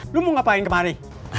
lo mau ngapain kemari